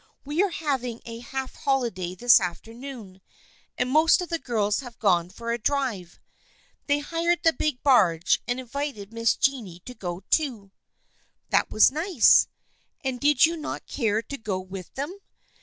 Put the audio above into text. We are having a half holiday this afternoon, and most of the girls have gone for a drive. They hired the big barge, and invited Miss Jennie to go, too." " That was nice. And did you not care to go with them